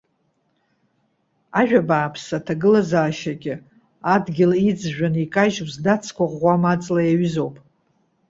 Ажәа бааԥсы аҭагылазаашьагьы, адгьыл иҵжәаны икажьу, здацқәа ӷәӷәам аҵла иаҩызоуп.